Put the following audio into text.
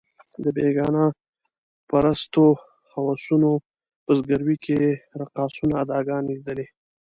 د بېګانه پرستو هوسونو په ځګیروي کې یې رقاصانو اداګانې لیدلې.